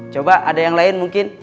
coba ada yang lain mungkin